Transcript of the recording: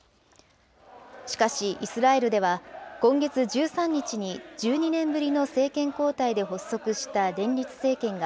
しかし、イスラエルでは、今月１３日に１２年ぶりの政権交代で発足した連立政権が、